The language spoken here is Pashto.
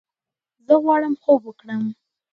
زۀ غواړم خوب وکړم!